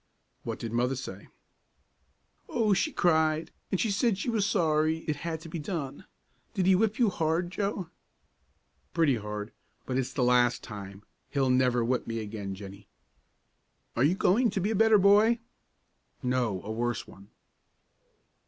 "What did Mother say?" "Oh, she cried, and she said she was sorry it had to be done. Did he whip you hard, Joe?" "Pretty hard, but it's the last time. He'll never whip me again, Jennie." "Are you going to be a better boy?" "No, a worse one."